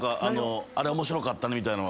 「あれ面白かったね」みたいのは。